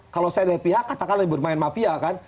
kalau saya dari pihak katakanlah bermain mafia kan